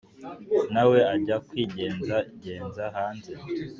nawe ajya kwigenzagenza hanze.